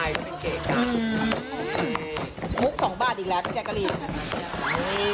แล้วก็ทุกอย่างไปแล้วเสาร์ก็เป็นเกะกะ